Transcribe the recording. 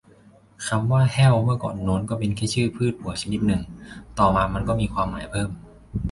คำว่า แห้ว เมื่อก่อนโน้น ก็เป็นแค่ชื่อพืชหัวชนิดนึง ต่อมามันก็มีความหมายเพิ่ม